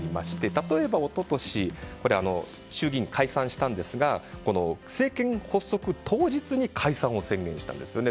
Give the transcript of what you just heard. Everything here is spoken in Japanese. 例えば一昨年衆議院解散したんですが政権発足当日に解散を宣言したんですね。